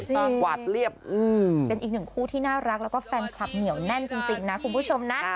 กวาดเรียบเป็นอีกหนึ่งคู่ที่น่ารักแล้วก็แฟนคลับเหนียวแน่นจริงนะคุณผู้ชมนะ